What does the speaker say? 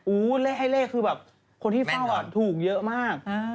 เลขให้เลขคือแบบคนที่เฝ้าถูกเยอะมาก